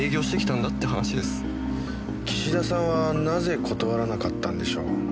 岸田さんはなぜ断らなかったんでしょう？